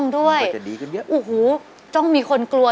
เดี๋ยว